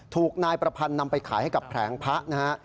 ถูกนายประพันธ์นำไปขายให้กับแผงพระนะฮะ